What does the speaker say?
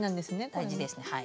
大事ですねはい。